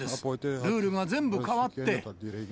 ルールが全部変わって。